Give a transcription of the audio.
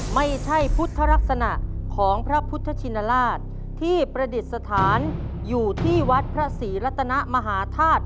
ไม่ใช่พุทธลักษณะของพระพุทธชินราชที่ประดิษฐานอยู่ที่วัดพระศรีรัตนมหาธาตุ